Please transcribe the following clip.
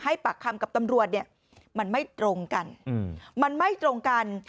ปากคำกับตำรวจเนี่ยมันไม่ตรงกันมันไม่ตรงกัน